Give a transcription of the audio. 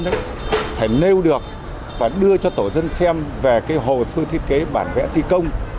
đấy phải nêu được và đưa cho tổ dân xem về cái hồ sơ thiết kế bản vẽ thi công